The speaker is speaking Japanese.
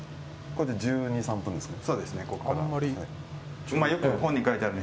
これで１２１３分ですか。